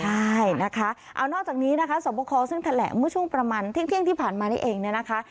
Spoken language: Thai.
ใช่นะคะเอานอกจากนี้นะคะสวบคอซึ่งแถลงเมื่อช่วงประมาณเที่ยงที่ผ่านมานี่เองเนี่ยนะคะ